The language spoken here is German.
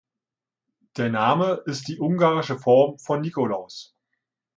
Der Name ist die ungarische Form von Nikolaus.